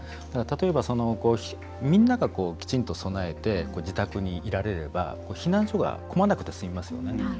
例えば、みんながきちんと備えて自宅にいられれば避難所が混まなくて済みますよね。